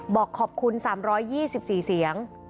บอกขอบคุณ๓๒๔เสียง